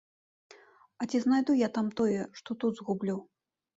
А ці знайду я там тое, што тут згублю?